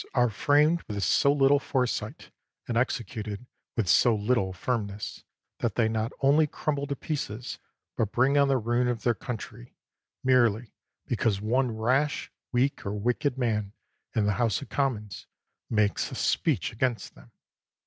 29 THE WORLD'S FAMOUS ORATIONS framed with so little foresight, and executed with so little firmness, that they not only crumble to pieces, but bring on the ruin of their country, merely because one rash, weak, or wicked man, in the House of Commons, makes a speech against them!